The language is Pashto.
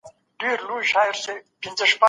د مسلکي زده کړو مرکزونه په ټولو ولایتونو کي نه وو.